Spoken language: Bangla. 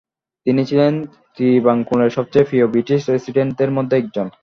তিনি ছিলেন ত্রিবাঙ্কুরের সবচেয়ে প্রিয় ব্রিটিশ রেসিডেন্টদের মধ্যে একজন।